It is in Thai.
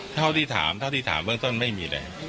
เท่าที่ถามเบื้องต้นไม่มีเลย